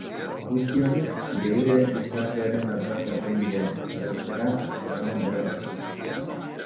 Guzti honek geure gizartearen argazkia zein den zehaztera eraman behar gaitu.